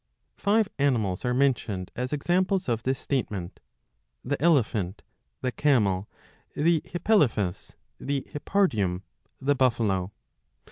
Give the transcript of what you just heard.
Five animals are mentioned* as examples of this statement, the elephant, the camel, the hippelaphus, the hippardium, the buffalo.